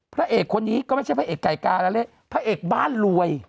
พระเอกคนนี้ก็ไม่ใช่พระเอกไก่กาแล้วเลขพระเอกบ้านรวย